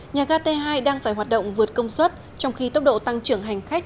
nhà ga t hai đang phải hoạt động vượt công suất trong khi tốc độ tăng trưởng hành khách